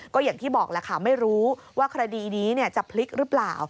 ก็อย่างที่บอกแหละค่ะไม่รู้ว่าคดีนี้จะพลิกหรือเปล่า